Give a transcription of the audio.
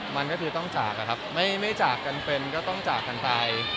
มันก็คือต้องจากอะครับไม่จากกันเป็นก็ต้องจากกันไป